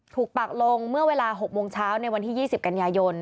ปักลงเมื่อเวลา๖โมงเช้าในวันที่๒๐กันยายน